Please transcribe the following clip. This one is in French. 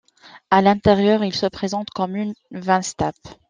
À l'intérieur il se présente comme une winstub.